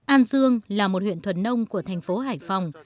an dương là một huyện thuần nông của thành phố hải phòng